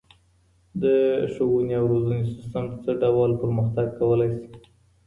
د ښوونې او روزنې سيستم څه ډول پرمختګ کولای سي؟